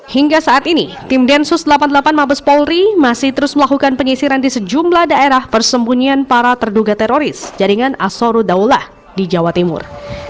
hingga saat ini tim densus delapan puluh delapan mabes polri masih terus melakukan penyisiran di sejumlah daerah persembunyian para terduga teroris jaringan asorudaulah di jawa timur